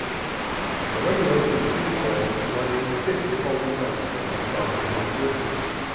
The regulation sea fog lay thick upon the coast as we started northward.